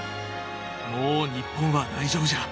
もう日本は大丈夫じゃ。